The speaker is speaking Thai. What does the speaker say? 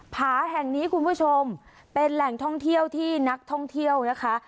ผาแห่งนี้คุณผู้ชมเป็นแหล่งท่องเที่ยวที่นักท่องเที่ยวนะคะ